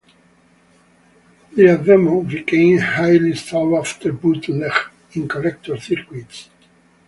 Their demo became a highly sought-after bootleg in collector circuits.